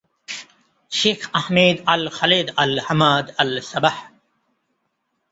Sheikh Ahmed Al Khaled Al Hamad আল-সাবাহ।